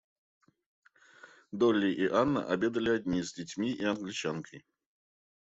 Долли и Анна обедали одни с детьми и Англичанкой.